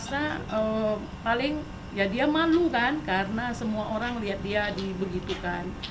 karena paling ya dia malu kan karena semua orang lihat dia dibegitukan